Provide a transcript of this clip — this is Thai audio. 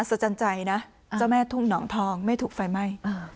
อัศจรรย์ใจนะเจ้าแม่ทุกข์หนองทองไม่ถูกไฟอมไหมล่ะ